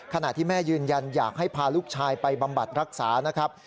ขณะที่แม่ยืนยันอยากให้พาลูกชายไปบำบัดรักษานะครับ